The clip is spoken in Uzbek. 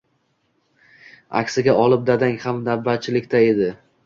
Aksiga olib dadang ham navbatchilikda edi